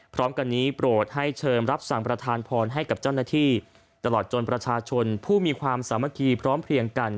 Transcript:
พร้อมกันนี้โปรดให้เชิมรับสั่งประธานพรให้กับเจ้าหน้าที่ตลอดจนประชาชนผู้มีความสามัคคีพร้อมเพลียงกัน